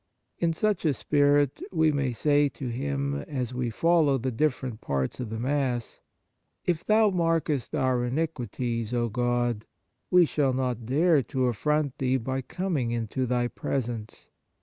In such a spirit, we may say to Him, as we follow the different parts of the Mass :" If Thou markest our iniquities, O God, we shall not dare to affront Thee by coming into Thy presence.